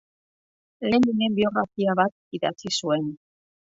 Leninen biografia bat idatzi zuen.